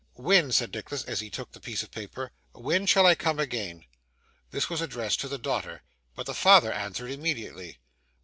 'When,' said Nicholas, as he took the piece of paper, 'when shall I call again?' This was addressed to the daughter, but the father answered immediately.